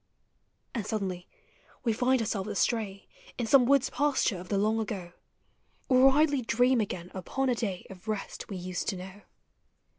And suddenly we find ourselves astray In some wood's pasture of the Long Ago, — Or idly dream again upon a day Of rest we used to know.